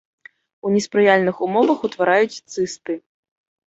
У неспрыяльных умовах утвараюць цысты.